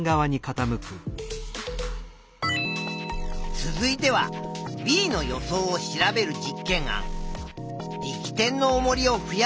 続いてはＢの予想を調べる実験案。